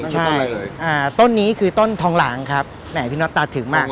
ใช่ต้นนี้คือต้นทองหลางครับพี่น็อตตาถึงมาก